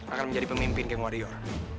akan menjadi pemimpin geng warior